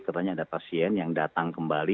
katanya ada pasien yang datang kembali